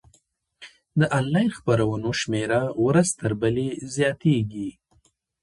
د انلاین خپرونو شمېره ورځ تر بلې زیاتیږي.